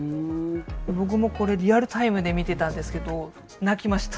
僕もこれリアルタイムで見てたんですけど泣きました。